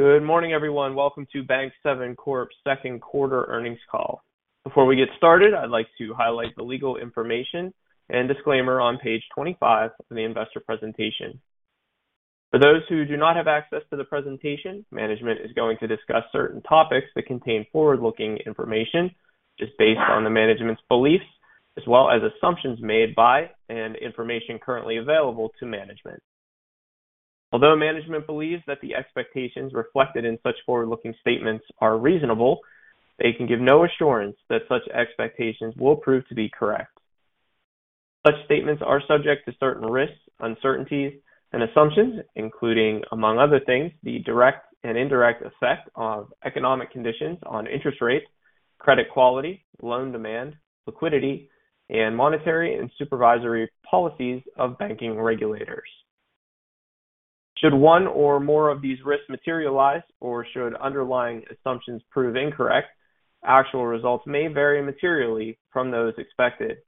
Good morning, everyone. Welcome to Bank7 Corp's Second Quarter Earnings Call. Before we get started, I'd like to highlight the legal information and disclaimer on page 25 of the investor presentation. For those who do not have access to the presentation, management is going to discuss certain topics that contain forward-looking information just based on the management's beliefs, as well as assumptions made by and information currently available to management. Although management believes that the expectations reflected in such forward-looking statements are reasonable, they can give no assurance that such expectations will prove to be correct. Such statements are subject to certain risks, uncertainties, and assumptions, including, among other things, the direct and indirect effect of economic conditions on interest rates, credit quality, loan demand, liquidity, and monetary and supervisory policies of banking regulators. Should one or more of these risks materialize, or should underlying assumptions prove incorrect, actual results may vary materially from those expected.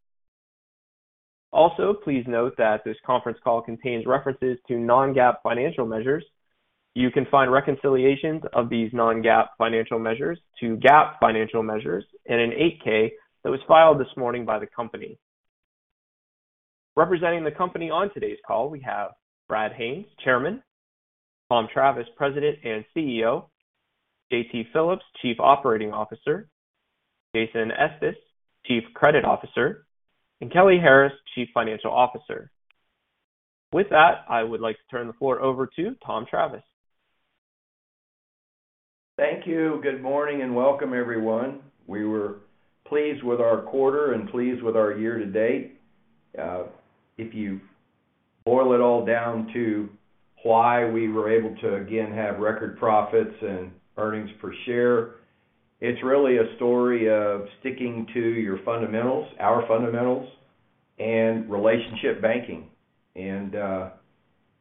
Please note that this conference call contains references to non-GAAP financial measures. You can find reconciliations of these non-GAAP financial measures to GAAP financial measures in an 8-K that was filed this morning by the company. Representing the company on today's call, we have Brad Haines, Chairman; Tom Travis, President and CEO; J.T. Phillips, Chief Operating Officer; Jason Estes, Chief Credit Officer; and Kelly Harris, Chief Financial Officer. With that, I would like to turn the floor over to Tom Travis. Thank you. Good morning, and welcome, everyone. We were pleased with our quarter and pleased with our year-to-date. If you boil it all down to why we were able to again, have record profits and earnings per share, it's really a story of sticking to your fundamentals, our fundamentals, and relationship banking.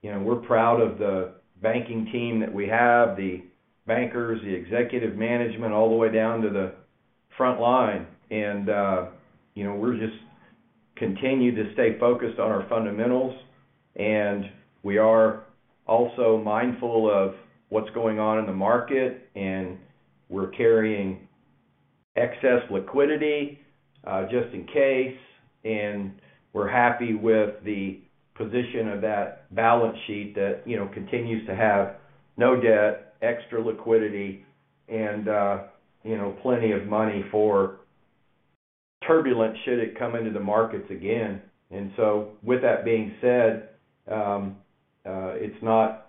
You know, we're proud of the banking team that we have, the bankers, the executive management, all the way down to the front line. You know, continue to stay focused on our fundamentals, and we are also mindful of what's going on in the market, and we're carrying excess liquidity just in case. We're happy with the position of that balance sheet that, you know, continues to have no debt, extra liquidity, and, you know, plenty of money for turbulence should it come into the markets again. With that being said, it's not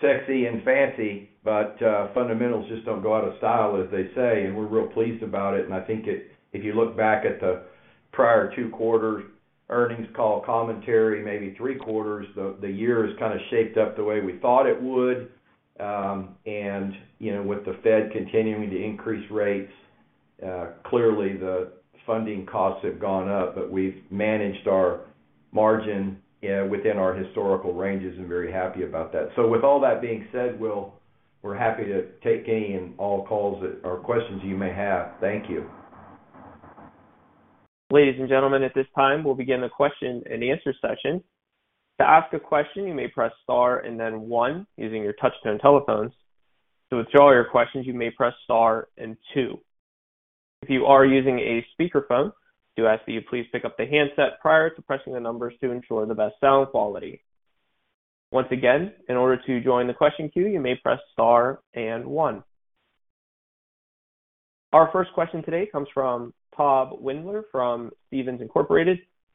sexy and fancy, but fundamentals just don't go out of style, as they say, and we're real pleased about it. I think if you look back at the prior two quarters, earnings call, commentary, maybe three quarters, the year has kind of shaped up the way we thought it would. You know, with the Fed continuing to increase rates, clearly, the funding costs have gone up, but we've managed our margin within our historical ranges and very happy about that. With all that being said, we're happy to take any and all calls that or questions you may have. Thank you. Ladies, and gentlemen, at this time, we'll begin the question-and-answer session. To ask a question, you may press star and then one using your touch-tone telephones. To withdraw your questions, you may press star and two. If you are using a speakerphone, I do ask that you please pick up the handset prior to pressing the numbers to ensure the best sound quality. Once again, in order to join the question queue, you may press star and one. Our first question today comes from Tom Wendler from Stephens Inc.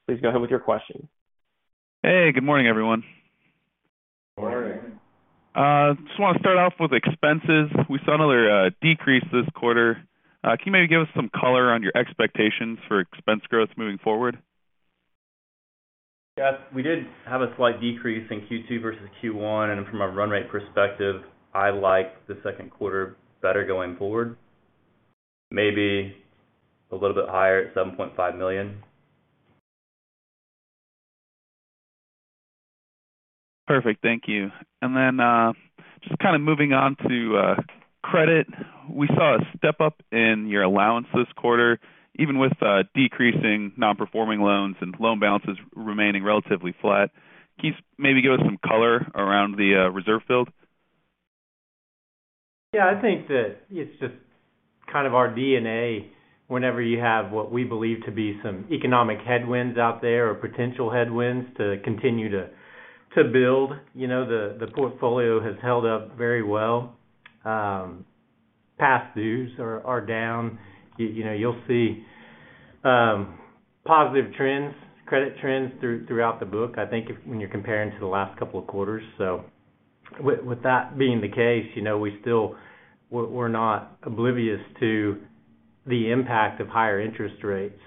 Please go ahead with your question. Hey, good morning, everyone. Good morning. Just want to start off with expenses. We saw another decrease this quarter. Can you maybe give us some color on your expectations for expense growth moving forward? Yeah, we did have a slight decrease in Q2 versus Q1, and from a run rate perspective, I like the second quarter better going forward. Maybe a little bit higher at $7.5 million. Perfect. Thank you. Just kind of moving on to credit. We saw a step-up in your allowance this quarter, even with decreasing non-performing loans and loan balances remaining relatively flat. Can you maybe give us some color around the reserve build? Yeah, I think that it's just kind of our DNA whenever you have what we believe to be some economic headwinds out there or potential headwinds to continue to build. You know, the portfolio has held up very well. Past dues are down. You know, you'll see positive trends, credit trends throughout the book, I think when you're comparing to the last couple of quarters. With that being the case, you know, we're not oblivious to the impact of higher interest rates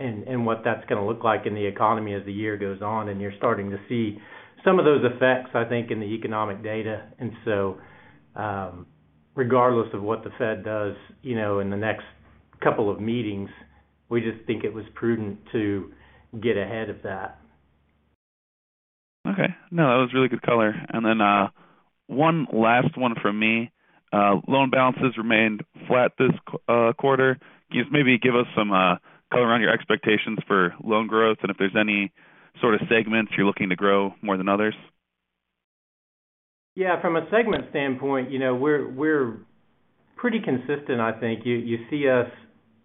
and what that's going to look like in the economy as the year goes on, and you're starting to see some of those effects, I think, in the economic data. Regardless of what the Fed does, you know, in the next couple of meetings, we just think it was prudent to get ahead of that. Okay. No, that was really good color. One last one from me. Loan balances remained flat this quarter. Can you maybe give us some color on your expectations for loan growth and if there's any sort of segments you're looking to grow more than others? From a segment standpoint, you know, we're pretty consistent, I think. You, you see us,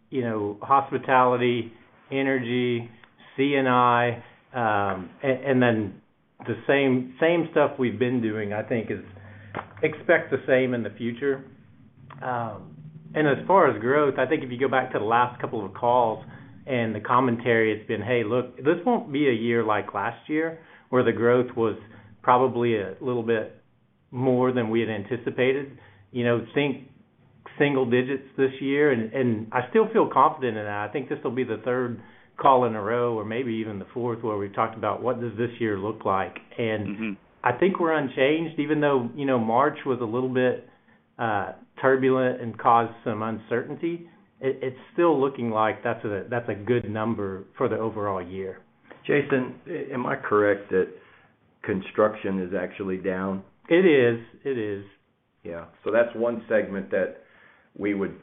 you know, hospitality, energy, C&I, and then the same stuff we've been doing, I think, expect the same in the future. As far as growth, I think if you go back to the last couple of calls and the commentary, it's been, "Hey, look, this won't be a year like last year, where the growth was probably a little bit more than we had anticipated." You know, think single digits this year, and I still feel confident in that. I think this will be the third call in a row or maybe even the fourth, where we've talked about what does this year look like? Mm-hmm. I think we're unchanged, even though, you know, March was a little bit turbulent and caused some uncertainty. It, it's still looking like that's a, that's a good number for the overall year. Jason, am I correct that construction is actually down? It is. It is. Yeah. That's one segment that we would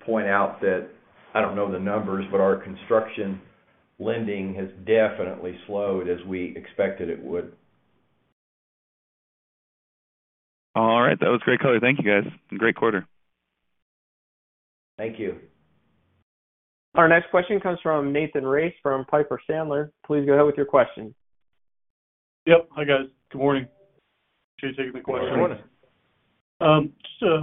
point out that I don't know the numbers, but our construction lending has definitely slowed as we expected it would. All right. That was great color. Thank you, guys. Great quarter. Thank you. Our next question comes from Nathan Race, from Piper Sandler. Please go ahead with your question. Yep. Hi, guys. Good morning. Thanks for taking the question. Good morning. Just a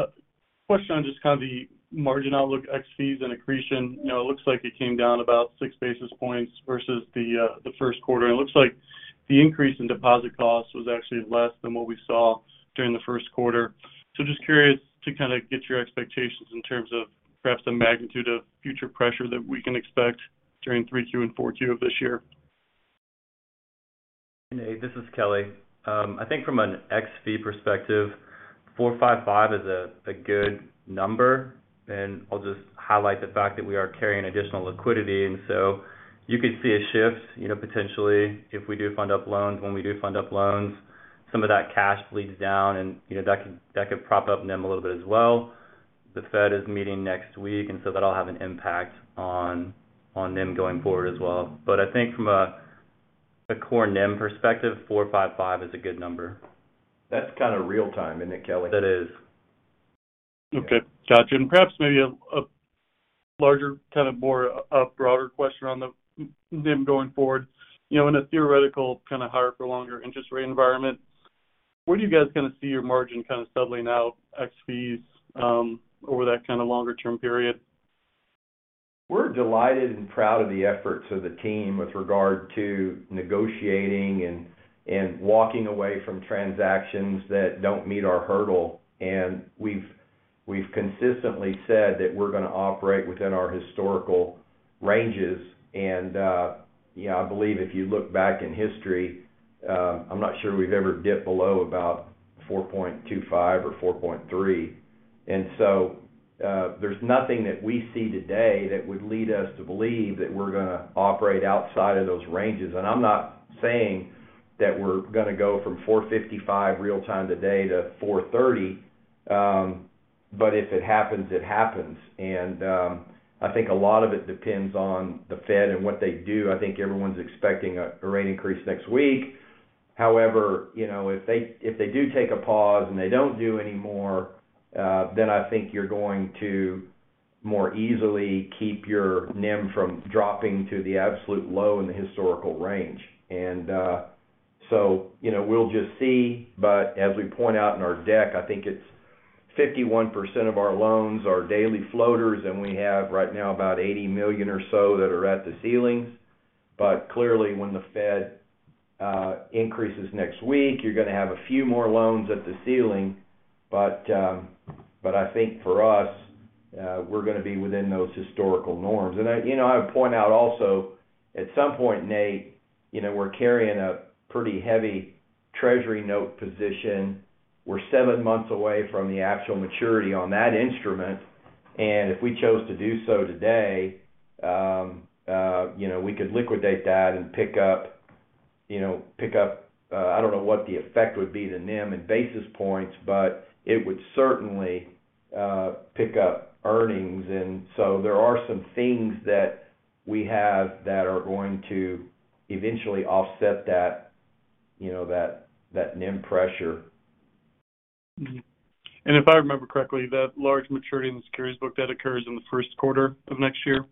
question on just kind of the margin outlook, ex fees and accretion. You know, it looks like it came down about six basis points versus the first quarter. It looks like the increase in deposit costs was actually less than what we saw during the first quarter. Just curious to kind of get your expectations in terms of perhaps the magnitude of future pressure that we can expect during 3Q and 4Q of this year. Nate, this is Kelly. I think from an ex-fee perspective, 4.55% is a good number, and I'll just highlight the fact that we are carrying additional liquidity, and so you could see a shift, you know, potentially, if we do fund up loans. When we do fund up loans, some of that cash bleeds down, and, you know, that could prop up NIM a little bit as well. The Fed is meeting next week, and so that'll have an impact on NIM going forward as well. I think from a core NIM perspective, 4.55% is a good number. That's kind of real time, isn't it, Kelly? It is. Okay, got you. Perhaps maybe a larger, kind of a broader question on the NIM going forward. You know, in a theoretical kind of higher for longer interest rate environment, where are you guys going to see your margin kind of settling out ex fees, over that kind of longer term period? We're delighted and proud of the efforts of the team with regard to negotiating and walking away from transactions that don't meet our hurdle. We've consistently said that we're going to operate within our historical ranges. You know, I believe if you look back in history, I'm not sure we've ever dipped below about 4.25% or 4.3%. There's nothing that we see today that would lead us to believe that we're going to operate outside of those ranges. I'm not saying that we're going to go from 4.55% real time today to 4.30%, but if it happens, it happens. I think a lot of it depends on the Fed and what they do. I think everyone's expecting a rate increase next week. You know, if they, if they do take a pause and they don't do any more, then I think you're going to more easily keep your NIM from dropping to the absolute low in the historical range. So, you know, we'll just see. As we point out in our deck, I think it's 51% of our loans are daily floaters, and we have right now about $80 million or so that are at the ceilings. Clearly, when the Fed increases next week, you're going to have a few more loans at the ceiling. I think for us, we're going to be within those historical norms. You know, I would point out also, at some point, Nate, you know, we're carrying a pretty heavy treasury note position. We're 7 months away from the actual maturity on that instrument, and if we chose to do so today, you know, we could liquidate that and pick up, you know, pick up, I don't know what the effect would be to NIM and basis points, but it would certainly pick up earnings. There are some things that we have that are going to eventually offset that, you know, that NIM pressure. Mm-hmm. If I remember correctly, that large maturity in the securities book, that occurs in the first quarter of next year?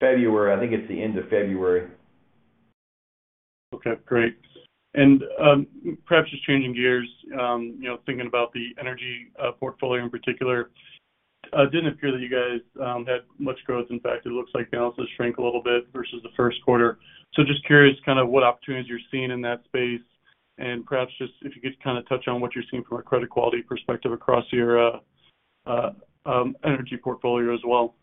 February. I think it's the end of February. Okay, great. Perhaps just changing gears, you know, thinking about the energy portfolio in particular, it didn't appear that you guys had much growth. In fact, it looks like it also shrank a little bit versus the first quarter. Just curious kind of what opportunities you're seeing in that space, and perhaps just if you could kind of touch on what you're seeing from a credit quality perspective across your energy portfolio as well?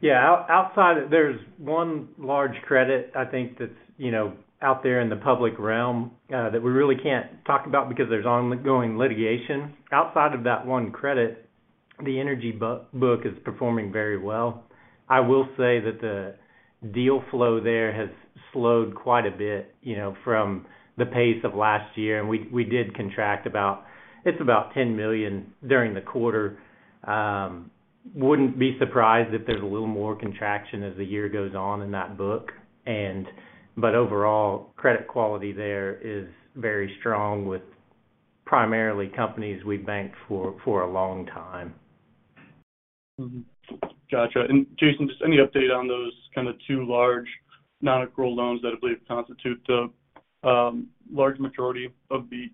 Yeah. Outside, there's one large credit, I think that's, you know, out there in the public realm, that we really can't talk about because there's ongoing litigation. Outside of that one credit, the energy book is performing very well. I will say that the deal flow there has slowed quite a bit, you know, from the pace of last year. We did contract about $10 million during the quarter. Wouldn't be surprised if there's a little more contraction as the year goes on in that book. Overall, credit quality there is very strong with primarily companies we've banked for a long time. Gotcha. Jason, just any update on those kind of two large nonaccrual loans that I believe constitute the large majority of the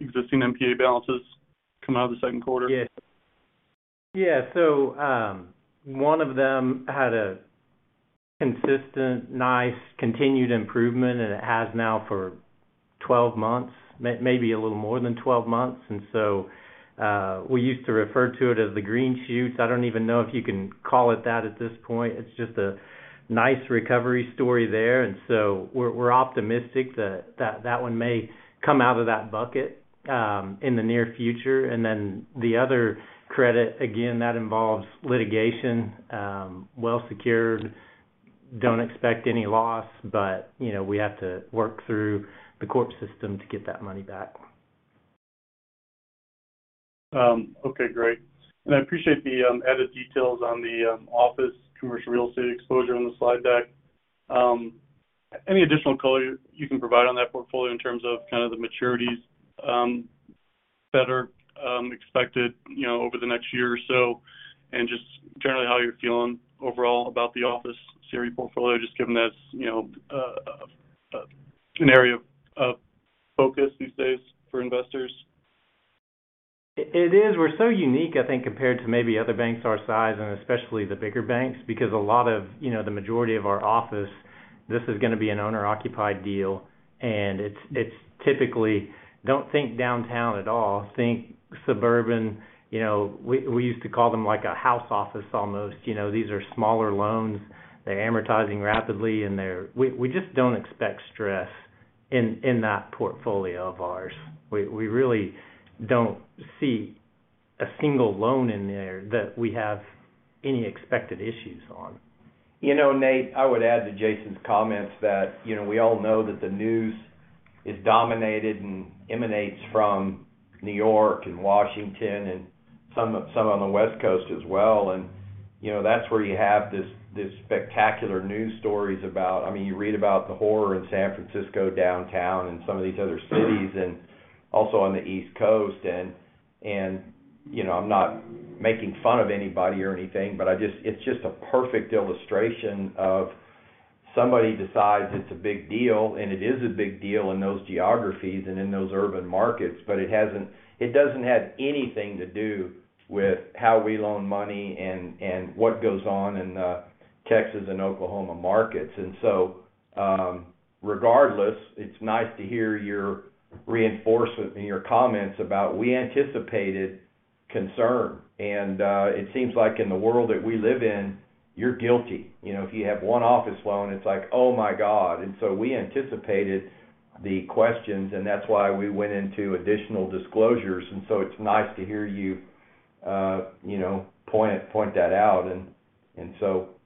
existing NPA balances coming out of the second quarter? Yes. Yeah. One of them had a consistent, nice, continued improvement, and it has now for 12 months, maybe a little more than 12 months. We used to refer to it as the green shoots. I don't even know if you can call it that at this point. It's just a nice recovery story there. We're optimistic that one may come out of that bucket in the near future. The other credit, again, that involves litigation, well secured. Don't expect any loss, but, you know, we have to work through the court system to get that money back. Okay, great. I appreciate the added details on the office commercial real estate exposure on the slide deck. Any additional color you can provide on that portfolio in terms of kind of the maturities that are expected, you know, over the next year or so, and just generally how you're feeling overall about the office CRE portfolio, just given that's, you know, an area of focus these days for investors? It is. We're so unique, I think, compared to maybe other banks our size and especially the bigger banks, because a lot of, you know, the majority of our office, this is gonna be an owner-occupied deal, and it's typically. Don't think downtown at all, think suburban. You know, we used to call them like a house office almost. You know, these are smaller loans. They're amortizing rapidly, we just don't expect stress in that portfolio of ours. We really don't see a single loan in there that we have any expected issues on. You know, Nate, I would add to Jason's comments that, you know, we all know that the news is dominated and emanates from New York and Washington and some on the West Coast as well. You know, that's where you have this spectacular news stories about. I mean, you read about the horror in San Francisco downtown and some of these other cities, and also on the East Coast. You know, I'm not making fun of anybody or anything, but I just. It's just a perfect illustration of somebody decides it's a big deal, and it is a big deal in those geographies and in those urban markets, but it doesn't have anything to do with how we loan money and what goes on in the Texas and Oklahoma markets. Regardless, it's nice to hear your reinforcement in your comments about we anticipated concern. It seems like in the world that we live in, you're guilty. You know, if you have one office loan, it's like, Oh, my God! We anticipated the questions, and that's why we went into additional disclosures. It's nice to hear you know, point that out.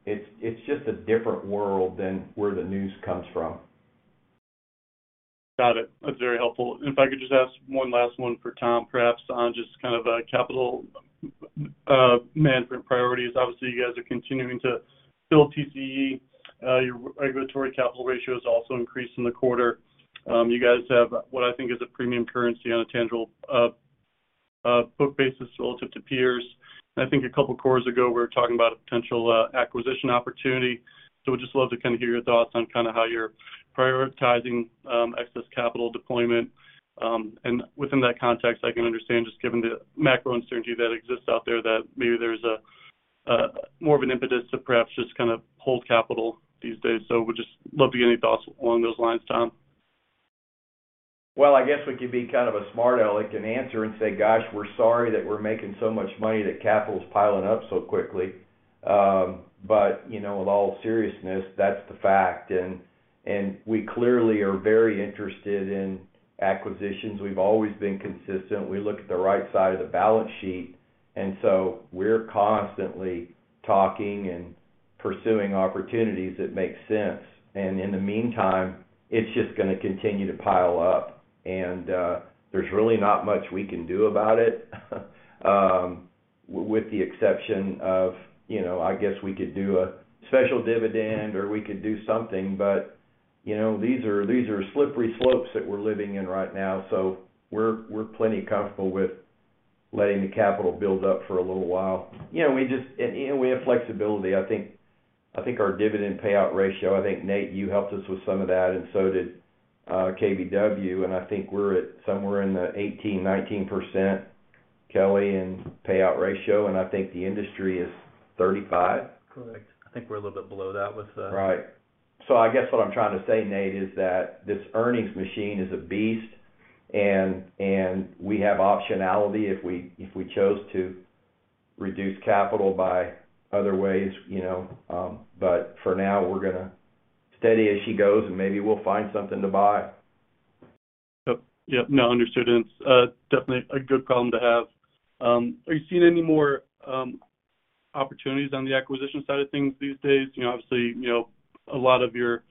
It's just a different world than where the news comes from. Got it. That's very helpful. If I could just ask one last one for Tom, perhaps on just kind of capital management priorities. Obviously, you guys are continuing to build TCE. Your regulatory capital ratio is also increased in the quarter. You guys have what I think is a premium currency on a tangible book basis relative to peers. I think a couple of quarters ago, we were talking about a potential acquisition opportunity. We'd just love to kind of hear your thoughts on kind of how you're prioritizing excess capital deployment. Within that context, I can understand, just given the macro uncertainty that exists out there, that maybe there's a more of an impetus to perhaps just kind of hold capital these days. Would just love to get any thoughts along those lines, Tom. Well, I guess we could be kind of a smart aleck and answer and say, "Gosh, we're sorry that we're making so much money, that capital is piling up so quickly." You know, with all seriousness, that's the fact, and we clearly are very interested in acquisitions. We've always been consistent. We look at the right side of the balance sheet. We're constantly talking and pursuing opportunities that make sense. In the meantime, it's just gonna continue to pile up. There's really not much we can do about it, with the exception of, you know, I guess we could do a special dividend or we could do something. You know, these are slippery slopes that we're living in right now, so we're plenty comfortable with letting the capital build up for a little while. You know, we have flexibility. I think our dividend payout ratio, I think, Nate, you helped us with some of that, and so did KBW, and I think we're at somewhere in the 18%-19%, Kelly, in payout ratio, and I think the industry is 35%? Correct. I think we're a little bit below that with the- Right. I guess what I'm trying to say, Nate, is that this earnings machine is a beast, and we have optionality if we chose to reduce capital by other ways, you know. For now, we're gonna steady as she goes. Maybe we'll find something to buy. Yep. Yep. No, understood. It's definitely a good problem to have. Are you seeing any more opportunities on the acquisition side of things these days? You know, obviously, you know, a lot of your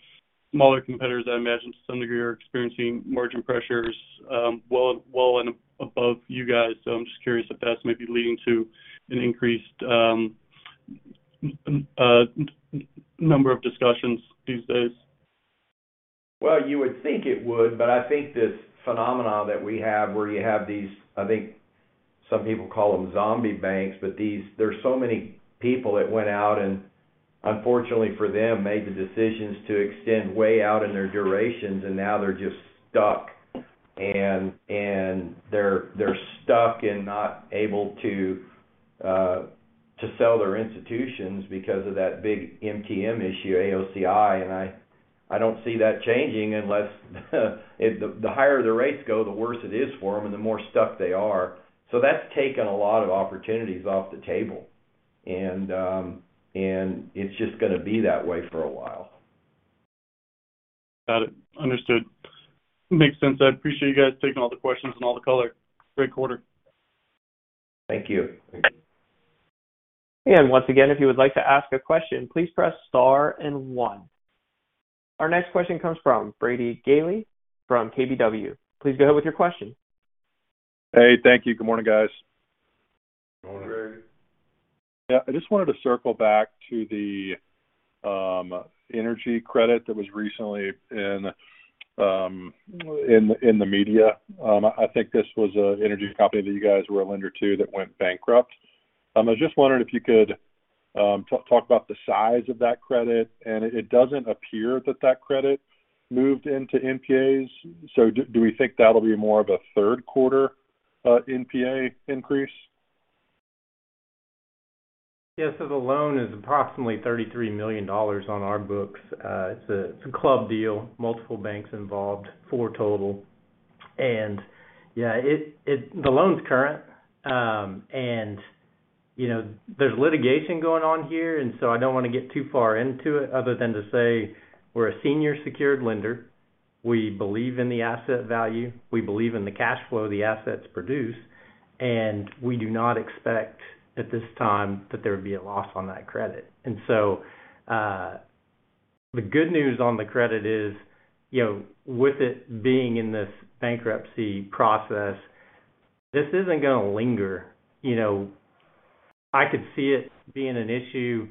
smaller competitors, I imagine, to some degree, are experiencing margin pressures, well and above you guys. I'm just curious if that's maybe leading to an increased number of discussions these days. Well, you would think it would, but I think this phenomenon that we have where you have these-- I think some people call them zombie banks, but these-- there's so many people that went out and, unfortunately for them, made the decisions to extend way out in their durations, and now they're just stuck. They're stuck and not able to sell their institutions because of that big MTM issue, AOCI, and I don't see that changing unless, if the higher the rates go, the worse it is for them and the more stuck they are. That's taken a lot of opportunities off the table. It's just gonna be that way for a while. Got it. Understood. Makes sense. I appreciate you guys taking all the questions and all the color. Great quarter. Thank you. Once again, if you would like to ask a question, please press star and one. Our next question comes from Brady Gailey from KBW. Please go ahead with your question. Hey, thank you. Good morning, guys. Morning, Brady. I just wanted to circle back to the energy credit that was recently in the media. I think this was an energy company that you guys were a lender to, that went bankrupt. I was just wondering if you could talk about the size of that credit, and it doesn't appear that that credit moved into NPAs. Do we think that'll be more of a third quarter NPA increase? Yes, the loan is approximately $33 million on our books. It's a club deal, multiple banks involved, 4 total. Yeah, the loan's current. You know, there's litigation going on here, I don't want to get too far into it other than to say, we're a senior secured lender. We believe in the asset value, we believe in the cash flow the assets produce, we do not expect at this time that there would be a loss on that credit. The good news on the credit is, you know, with it being in this bankruptcy process, this isn't gonna linger. You know, I could see it being an issue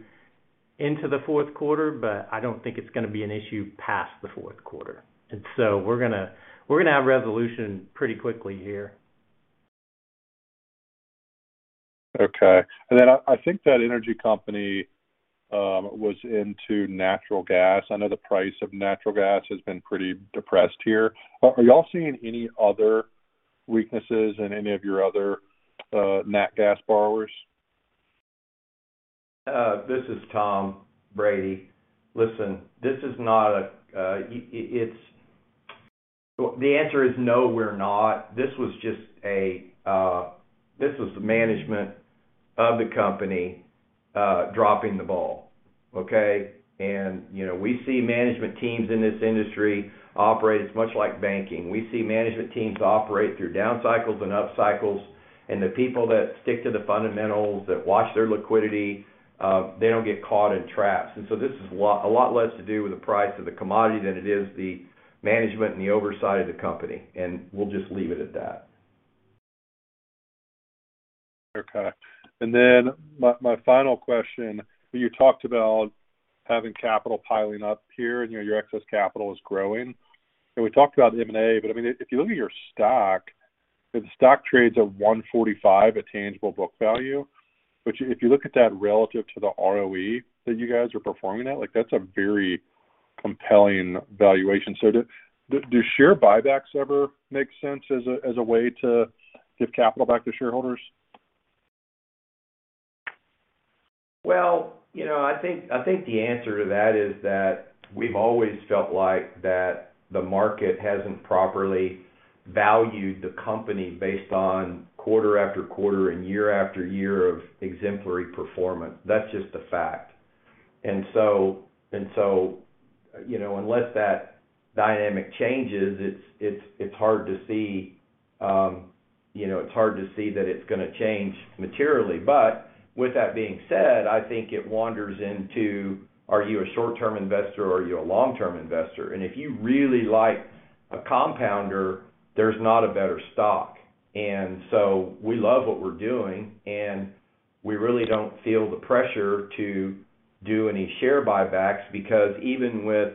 into the fourth quarter, I don't think it's gonna be an issue past the fourth quarter. We're gonna have resolution pretty quickly here. Okay. I think that energy company, was into natural gas. I know the price of natural gas has been pretty depressed here. Are you all seeing any other weaknesses in any of your other, natural gas borrowers? This is Tom. Brady, listen, The answer is no, we're not. This was the management of the company, dropping the ball, okay? You know, we see management teams in this industry operate as much like banking. We see management teams operate through down cycles and up cycles, and the people that stick to the fundamentals, that watch their liquidity, they don't get caught in traps. This is a lot less to do with the price of the commodity than it is the management and the oversight of the company, and we'll just leave it at that. Okay. My final question, you talked about having capital piling up here, you know, your excess capital is growing. We talked about M&A, I mean, if you look at your stock, the stock trades at 1.45 at tangible book value. Which if you look at that relative to the ROE that you guys are performing at, like, that's a very compelling valuation. Do share buybacks ever make sense as a, as a way to give capital back to shareholders? Well, you know, I think the answer to that is that we've always felt like that the market hasn't properly valued the company based on quarter-after-quarter and year-after-year of exemplary performance. That's just a fact. You know, unless that dynamic changes, it's hard to see, you know, it's hard to see that it's gonna change materially. With that being said, I think it wanders into, are you a short-term investor or are you a long-term investor? If you really like a compounder, there's not a better stock. We love what we're doing, and we really don't feel the pressure to do any share buybacks, because even with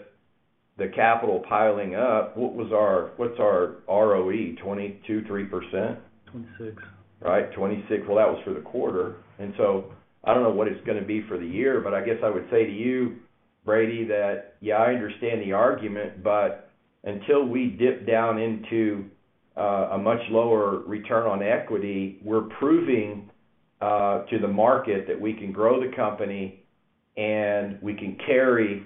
the capital piling up, what's our ROE? 22%, 3%? 26%. Right, 26%. Well, that was for the quarter, and so I don't know what it's gonna be for the year, but I guess I would say to you, Brady, that, yeah, I understand the argument, but until we dip down into a much lower return on equity, we're proving to the market that we can grow the company and we can carry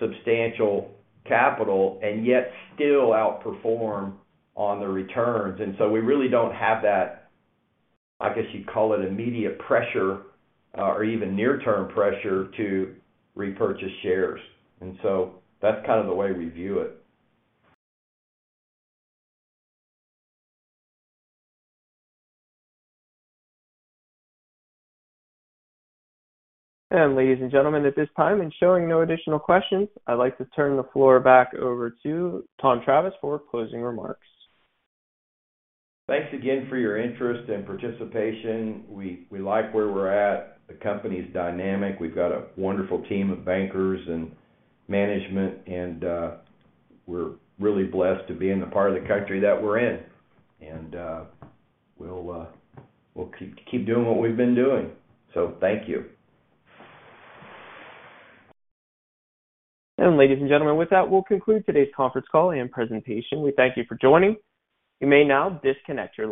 substantial capital and yet still outperform on the returns. We really don't have that, I guess you'd call it, immediate pressure, or even near-term pressure to repurchase shares. That's kind of the way we view it. Ladies, and gentlemen, at this time, and showing no additional questions, I'd like to turn the floor back over to Tom Travis for closing remarks. Thanks again for your interest and participation. We like where we're at. The company's dynamic. We've got a wonderful team of bankers and management. We're really blessed to be in the part of the country that we're in. We'll keep doing what we've been doing. Thank you. Ladies, and gentlemen, with that, we'll conclude today's conference call and presentation. We thank you for joining. You may now disconnect your lines.